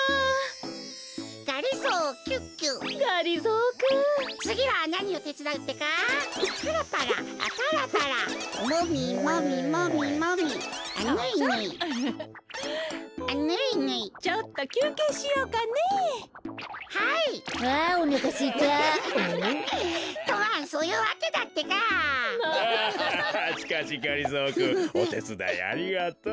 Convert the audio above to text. おてつだいありがとう。